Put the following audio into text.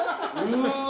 うわ！